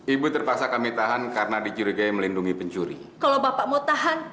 ibu terpaksa kami tahan karena dicurigai melindungi pencuri kalau bapak mau tahan